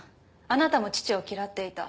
あなたも父を嫌っていた。